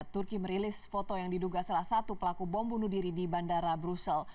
turki merilis foto yang diduga salah satu pelaku bom bunuh diri di bandara brussel